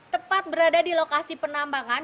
tepat berada di lokasi penambangan